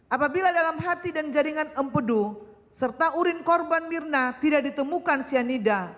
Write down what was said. apabila dalam hati dan jaringan empedu serta urin korban mirna tidak ditemukan cyanida